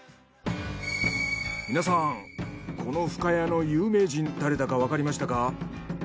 皆さんこの深谷の有名人誰だかわかりましたか？